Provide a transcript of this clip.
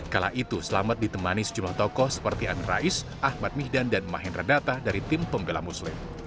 kala itu selamat ditemani sejumlah tokoh seperti anir rais ahmad mihdan dan mahin redata dari tim pembelah muslim